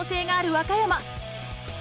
和歌山。